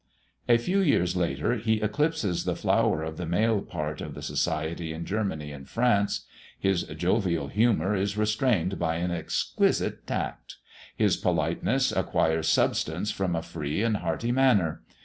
A few years later, he eclipses the flower of the male part of society in Germany and France; his jovial humour is restrained by an exquisite tact; his politeness acquires substance from a free and hearty manner.